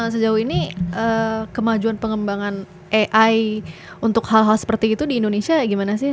sejauh ini kemajuan pengembangan ai untuk hal hal seperti itu di indonesia gimana sih